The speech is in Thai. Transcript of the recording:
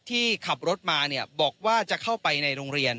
ที่ขับรถมาบอกว่าจะเข้าไปในโรงเรียน